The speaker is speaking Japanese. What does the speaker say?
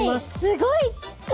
すごい数！